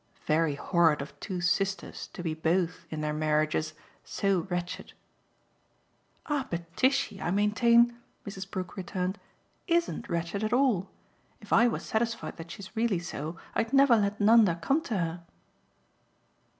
"Very horrid of two sisters to be both, in their marriages, so wretched." "Ah but Tishy, I maintain," Mrs. Brook returned, "ISN'T wretched at all. If I were satisfied that she's really so I'd never let Nanda come to her."